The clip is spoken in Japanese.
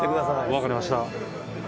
分かりました。